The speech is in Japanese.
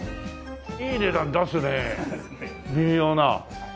いい値段出すね微妙な。